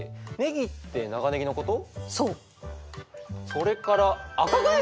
それから「赤蛙」！？